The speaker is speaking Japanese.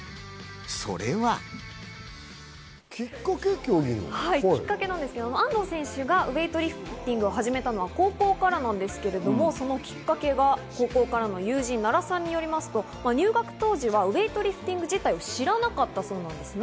それは。きっかけなんですが、安藤選手がウエイトリフティングを始めたのは高校からなんですけれども、そのきっかけが高校からの友人・奈良さんによりますと、入学当時はウエイトリフティング自体、知らなかったそうなんですね。